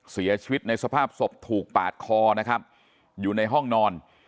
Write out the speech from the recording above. เสียชีวิตในสภาพศพถูกปาดคอนะครับอยู่ในห้องนอน